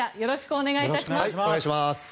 お願いします。